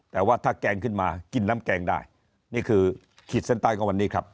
แต่ว่าถ้าแกงขึ้นมากินน้ำแกงได้นี่คือขีดเส้นใต้ของวันนี้ครับ